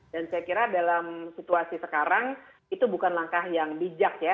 dan saya kira dalam situasi sekarang itu bukan langkah yang bijak ya